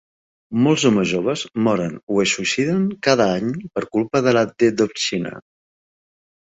Molts homes joves moren o es suïciden cada any per culpa de la "dedovshchina".